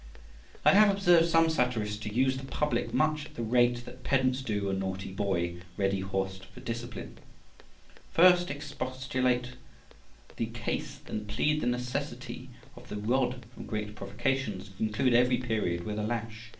I have observed some satirists to use the public much at the rate that pedants do a naughty boy ready horsed for discipline. First expostulate the case, then plead the necessity of the rod from great provocations, and conclude every period with a lash.